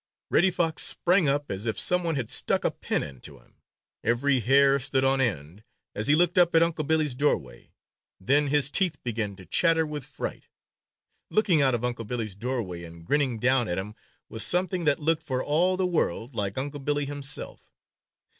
Reddy Fox sprang up as if some one had stuck a pin into him. Every hair stood on end, as he looked up at Unc' Billy's doorway. Then his teeth began to chatter with fright. Looking out of Unc' Billy's doorway and grinning down at him was something that looked for all the world like Unc' Billy himself.